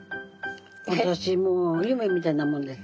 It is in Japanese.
私もう夢みたいなもんです。